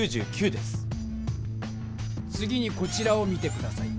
次にこちらを見て下さい。